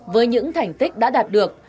với những thành tích đã đạt được